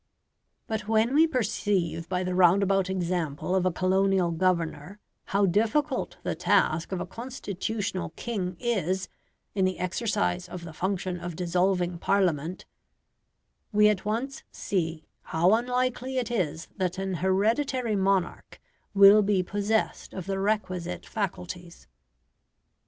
But when we perceive by the roundabout example of a colonial governor how difficult the task of a constitutional king is in the exercise of the function of dissolving Parliament, we at once see how unlikely it is that an hereditary monarch will be possessed of the requisite faculties.